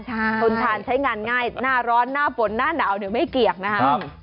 คนทานใช้งานง่ายหน้าร้อนหน้าฝนหน้าหนาวไม่เกี่ยกนะครับ